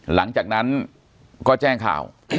หลังจากนั้นก็แจ้งข่าว